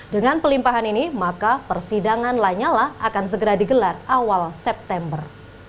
dengan pelimpahan ini maka persidangan lanyala akan segera digelar awal september